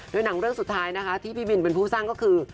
โดยหนังเรื่องสุดท้ายนะคะที่พี่บินเป็นผู้สร้างก็คือ